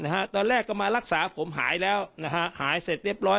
นะฮะตอนแรกก็มารักษาผมหายแล้วนะฮะหายเสร็จเรียบร้อย